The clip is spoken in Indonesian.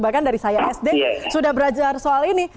bahkan dari saya sd sudah belajar soal ini